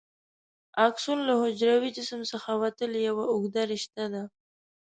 اکسون له حجروي جسم څخه وتلې یوه اوږده رشته ده.